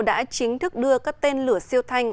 đã chính thức đưa các tên lửa siêu thanh